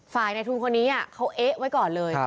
ในทุนคนนี้เขาเอ๊ะไว้ก่อนเลย